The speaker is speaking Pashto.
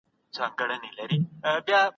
ټولنیز پیوستون د ځان وژنې مخه نیسي.